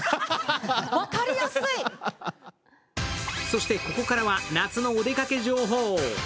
そしてここからは夏のお出かけ情報。